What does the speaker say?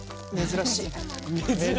珍しい。